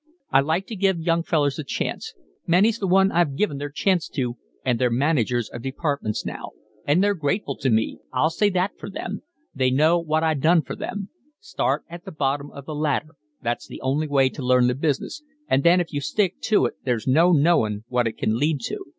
"I like to give young fellers a chance. Many's the one I've given their chance to and they're managers of departments now. And they're grateful to me, I'll say that for them. They know what I done for them. Start at the bottom of the ladder, that's the only way to learn the business, and then if you stick to it there's no knowing what it can lead to.